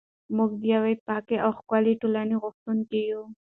موږ د یوې پاکې او ښکلې ټولنې غوښتونکي یو.